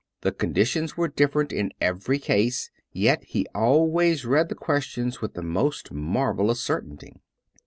The conditions were different in every case, yet he always read the questions with the most marvelous cer tainty.